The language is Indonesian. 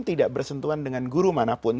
tidak bersentuhan dengan guru manapun